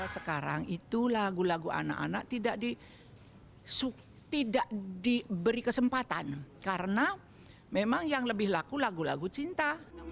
sekarang itu lagu lagu anak anak tidak diberi kesempatan karena memang yang lebih laku lagu lagu cinta